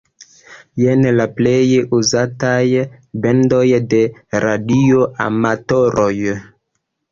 Jen la plej uzataj bendoj de radioamatoroj.